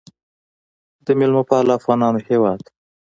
د میلمه پالو افغانانو هیواد.